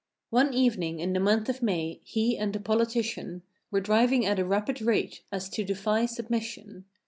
One evening in the month of May, he and a politician Were driving at a rapid rate as to defy submission.